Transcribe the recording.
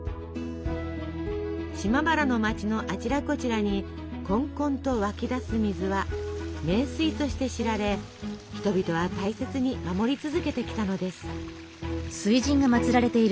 島原の町のあちらこちらにこんこんと湧き出す水は名水として知られ人々は大切に守り続けてきたのです。